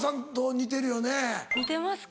似てますか？